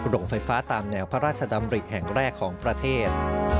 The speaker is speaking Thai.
โรงไฟฟ้าตามแนวพระราชดำริแห่งแรกของประเทศ